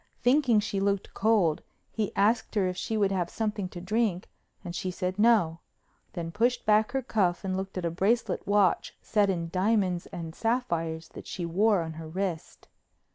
Thinking she looked cold he asked her if she would have something to drink and she said no, then pushed back her cuff and looked at a bracelet watch set in diamonds and sapphires that she wore on her wrist.